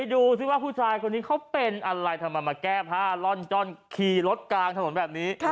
ดูสิว่าผู้ชายคนนี้เขาเป็นอะไรทำไมมาแก้ผ้าล่อนจ้อนขี่รถกลางถนนแบบนี้